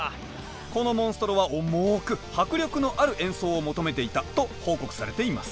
このモンストロは重く迫力のある演奏を求めていたと報告されています。